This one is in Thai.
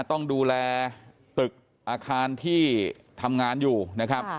ต้องดูแลตึกอาคารที่ทำงานอยู่นะครับ